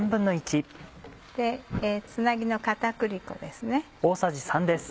つなぎの片栗粉ですね。